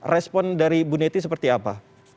respon dari bu neti seperti apa